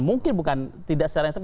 mungkin bukan tidak secara internal